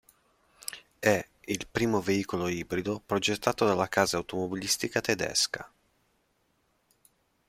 È il primo veicolo ibrido progettato dalla casa automobilistica tedesca.